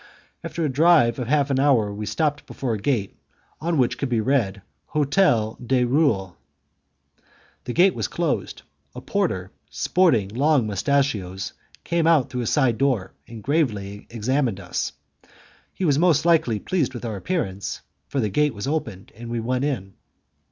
After a drive of half an hour, we stopped before a gate on which could be read, "Hotel du Roule." The gate was closed. A porter, sporting long mustachioes, came out through a side door and gravely examined us. He was most likely pleased with our appearance, for the gate was opened and we went in.